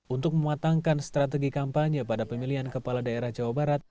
untuk mematangkan strategi kampanye pada pemilihan kepala daerah jawa barat